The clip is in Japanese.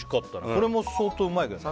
これも相当うまいけどね